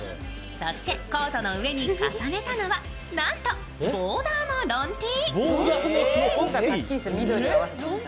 そしてコートの上に重ねたのはなんとボーダーのロンＴ。